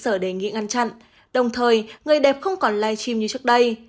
cơ sở đề nghị ngăn chặn đồng thời người đẹp không còn live stream như trước đây